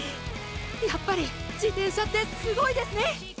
やっぱり自転車ってすごいですね。